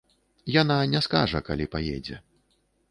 Яна не скажа, калі паедзе.